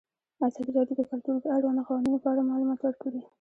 ازادي راډیو د کلتور د اړونده قوانینو په اړه معلومات ورکړي.